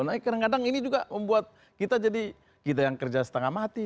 nah kadang kadang ini juga membuat kita jadi kita yang kerja setengah mati